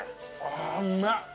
ああうめっ。